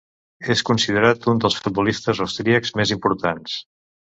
És considerat un dels futbolistes austríacs més importants.